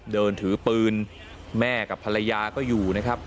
เดินถือปืนแม่กับภรรยาก็อยู่นะครับ